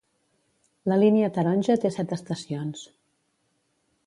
La línia taronja té set estacions.